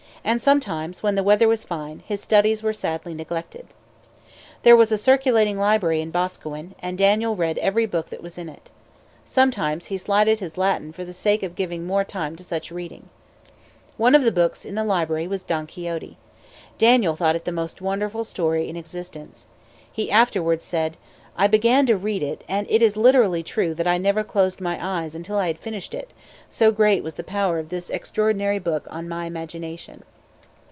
And sometimes, when the weather was fine, his studies were sadly neglected. There was a circulating library in Boscawen, and Daniel read every book that was in it. Sometimes he slighted his Latin for the sake of giving more time to such reading. One of the books in the library was Don Quixote. Daniel thought it the most wonderful story in existence. He afterwards said: "I began to read it, and it is literally true that I never closed my eyes until I had finished it, so great was the power of this extraordinary book on my imagination."